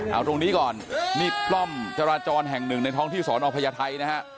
เอาตรงนี้ก่อนนี่ปล้อมจราจรแห่งหนึ่งในท้องที่สอนอพญาไทยนะฮะ